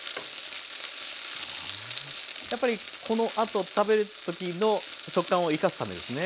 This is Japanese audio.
やっぱりこのあと食べる時の食感を生かすためですね。